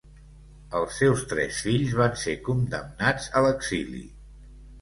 Els seus tres fills van ser condemnats a l'exili.